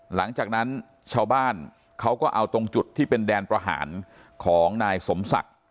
หลังจากนั้นชาวบ้านเขาก็เอาตรงจุดที่เป็นแดนประหารของนายสมศักดิ์